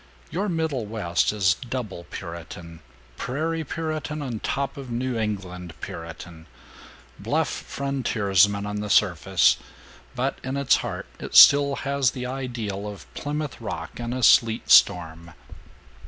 Your Middlewest is double Puritan prairie Puritan on top of New England Puritan; bluff frontiersman on the surface, but in its heart it still has the ideal of Plymouth Rock in a sleet storm.